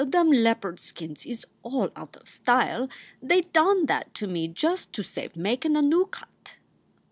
Them leopard skins is all out of style. They done that to me just to save makin* a noo cut.